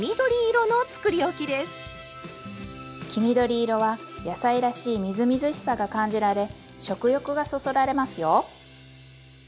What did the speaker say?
黄緑色は野菜らしいみずみずしさが感じられ食欲がそそられますよ！